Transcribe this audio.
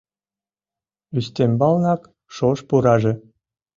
Ӱстембалнак шож пураже —